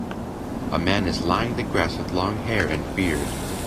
A man is lying the grass with long hair and beard.